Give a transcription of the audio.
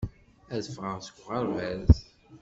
Ad ffɣeɣ seg uɣerbaz.